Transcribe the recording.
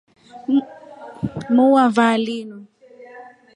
Muu wa vaa linu.